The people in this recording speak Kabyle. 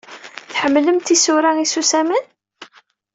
Tḥemmlemt isura isusamen?